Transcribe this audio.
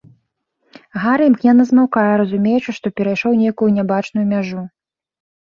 Гары імгненна змаўкае, разумеючы, што перайшоў нейкую нябачную мяжу.